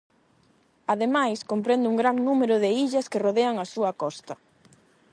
Ademais comprende un gran número de illas que rodean a súa costa.